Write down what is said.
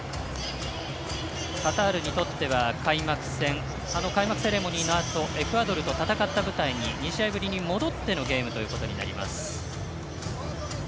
カタールにとっては開幕戦あの開幕セレモニーのあとエクアドルと戦ったあと２試合ぶりに戻ってのゲームということになります。